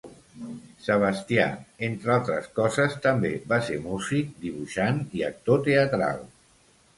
Sebastià, entre altres coses també va ser músic, dibuixant i actor teatral.